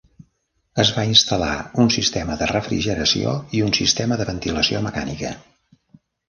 Es va instal·lar un sistema de refrigeració i un sistema de ventilació mecànica.